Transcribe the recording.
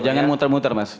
jangan muter muter mas